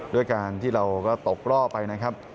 ด้วยการที่เราก็ตกรอบไปนะครับ